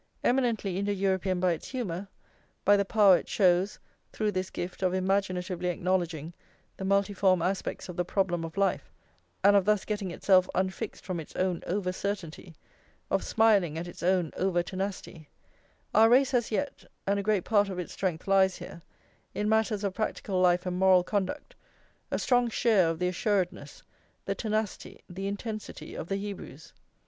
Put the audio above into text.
Eminently Indo European by its humour, by the power it shows, through this gift, of imaginatively acknowledging the multiform aspects of the problem of life, and of thus getting itself unfixed from its own over certainty, of smiling at its own over tenacity, our race has yet (and a great part of its strength lies here), in matters of practical life and moral conduct, a strong share of the assuredness, the tenacity, the intensity of the Hebrews.